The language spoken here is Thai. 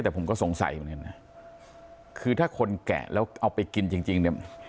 แต่ผมก็สงสัยคือถ้าคนแกะแล้วเอาไปกินจริง